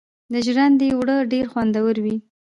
د ژرندې اوړه ډیر خوندور وي.